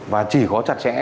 và chỉ có chặt chẽ